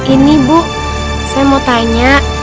ini bu saya mau tanya